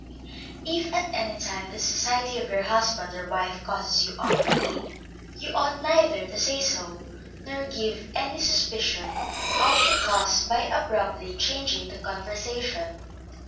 If at any time the society of your husband or wife causes you ennui, you ought neither to say so, nor give any suspicion of the cause by abruptly changing the conversation.